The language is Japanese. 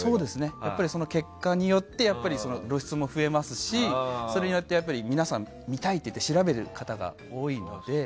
その結果によって露出も増えますしそれによって皆さん、見たいといって調べる方が多いので。